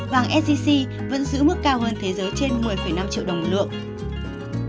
vàng sgc vẫn giữ mức cao hơn thế giới trên một mươi năm triệu đồng một lượng